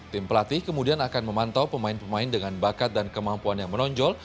tim pelatih kemudian akan memantau pemain pemain dengan bakat dan kemampuan yang menonjol